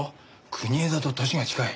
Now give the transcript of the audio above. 国枝と年が近い。